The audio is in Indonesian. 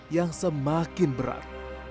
yang semakin berat